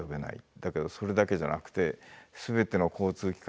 だけどそれだけじゃなくて全ての交通機関が影響を受けます。